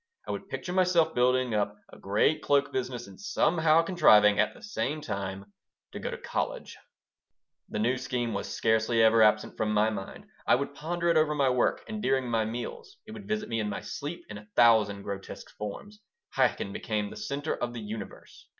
I would picture myself building up a great cloak business and somehow contriving, at the same time, to go to college The new scheme was scarcely ever absent from my mind. I would ponder it over my work and during my meals. It would visit me in my sleep in a thousand grotesque forms. Chaikin became the center of the universe.